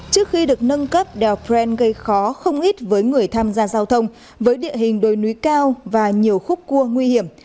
trước khi được nâng cấp đèo pren gây khó không ít với người tham gia giao thông với địa hình đồi núi cao và nhiều khúc cua nguy hiểm